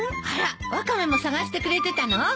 あらワカメも探してくれてたの？